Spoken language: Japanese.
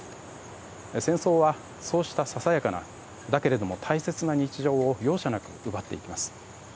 戦争はそうしたささやかなだけれども大切な日常を容赦なく奪っていきます。